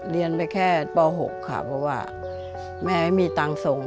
เรียนไปแค่ป๖ค่ะเพราะว่าแม่ไม่มีตังค์ส่ง